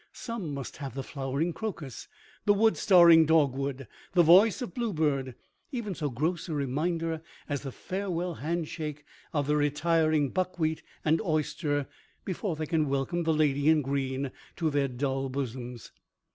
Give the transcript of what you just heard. Some must have the flowering crocus, the wood starring dogwood, the voice of bluebird—even so gross a reminder as the farewell handshake of the retiring buckwheat and oyster before they can welcome the Lady in Green to their dull bosoms.